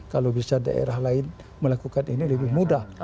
kalau bisa daerah lain melakukan ini lebih mudah